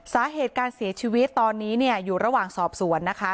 สาเหตุการเสียชีวิตตอนนี้เนี่ยอยู่ระหว่างสอบสวนนะคะ